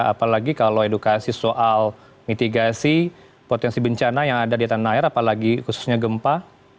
apalagi kalau edukasi soal mitigasi potensi bencana yang ada di tanah air apalagi khususnya gempa